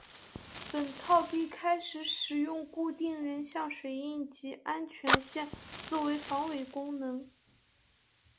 本套币开始使用固定人像水印及安全线作为防伪功能。